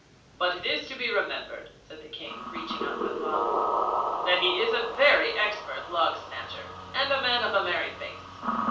'But it is to be remembered,' said the King, reaching out for the bottle, 'that he is a very expert log snatcher and a man of a merry face.